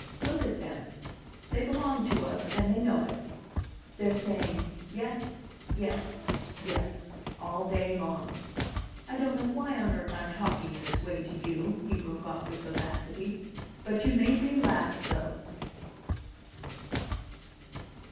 "Look at them! They belong to us, and they know it. They're saying, 'Yes; yes; yes,' all day long. I don't know why on earth I'm talking in this way to you!" he broke off with vivacity. "But you made me laugh so."